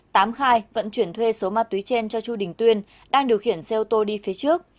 tám khai vận chuyển thuê số ma túy trên cho chu đình tuyên đang điều khiển xe ô tô đi phía trước